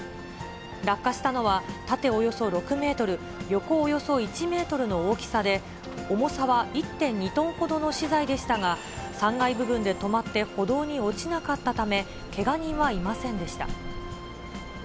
落下したのは、縦およそ６メートル、横およそ１メートルの大きさで、重さは１．２トンほどの資材でしたが、３階部分で止まって歩道に落ちなかったため、けが人はいませんでした。